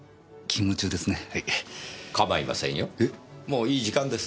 もういい時間です。